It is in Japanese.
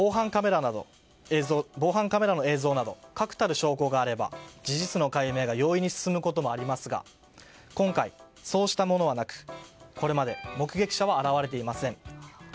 防犯カメラの映像など確たる証拠があれば事実の解明が容易に進むこともありますが今回、そうしたものはなくこれまで目撃者は現れていません。